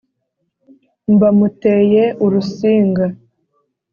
mba muteye urusinga